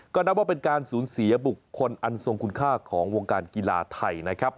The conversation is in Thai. ก็นับว่าเป็นการสูญเสียบุคคลอันทรงคุณค่าของวงการกีฬาไทยนะครับ